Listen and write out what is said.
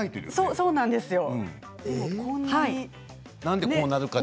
そうなんです。